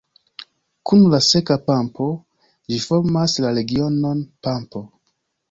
Kun la Seka Pampo ĝi formas la regionon Pampo.